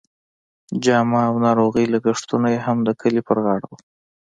جامه او ناروغۍ لګښتونه یې هم د کلي پر غاړه وو.